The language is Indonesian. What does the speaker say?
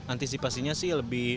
antisipasinya sih lebih